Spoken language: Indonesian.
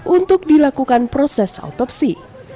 untuk dilakukan proses autopsi